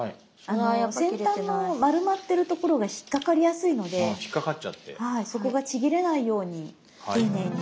先端の丸まってるところが引っ掛かりやすいのでそこがちぎれないように丁寧に。